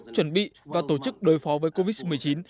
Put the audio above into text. chuẩn bị và tổ chức đối phó với covid một mươi chín